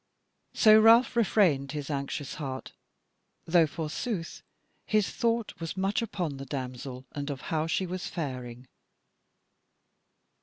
So Ralph refrained his anxious heart, though forsooth his thought was much upon the damsel and of how she was faring.